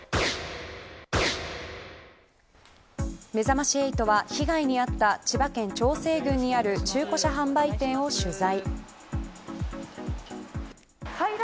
めざまし８は、被害に遭った千葉県長生郡にある中古車販売店を取材。